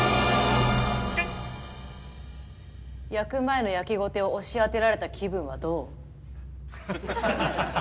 焼く前の焼きごてを押し当てられた気分はどう？